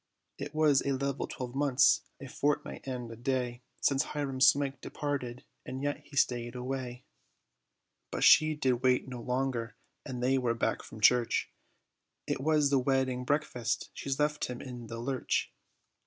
It was a level twelve months, a fortnight, and a day, Since Hiram Smike departed, and yet he stayed away; But she did wait no longer, and they were back from church, It was the wedding breakfast, she's left him in the lurch.